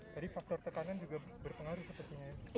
jadi faktor tekanan juga berpengaruh sepertinya ya